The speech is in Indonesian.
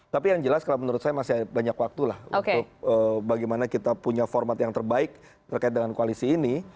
tapi yang jelas kalau menurut saya masih banyak waktu lah untuk bagaimana kita punya format yang terbaik terkait dengan koalisi ini